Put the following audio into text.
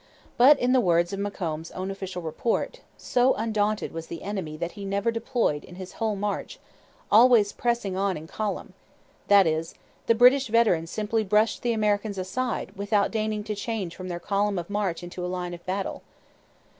But, in the words of Macomb's own official report, 'so undaunted was the enemy that he never deployed in his whole march, always pressing on in column'; that is, the British veterans simply brushed the Americans aside without deigning to change from their column of march into a line of battle.